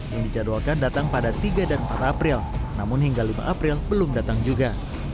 yang dijadwalkan datang pada tiga dan empat april namun hingga lima april belum datang juga